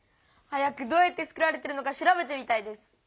早くどうやって作られてるのか調べてみたいです。